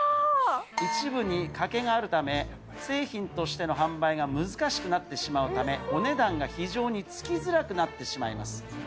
一部に欠けがあるため、製品としての販売が難しくなってしまうため、お値段が非常につきづらくなってしまいます。